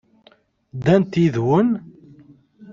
Ddant-d yid-wen?